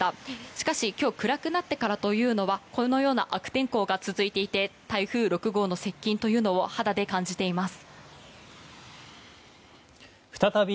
しかし今日暗くなってからというのはこのような悪天候が続いていて台風６号の接近というのを肌で感じています。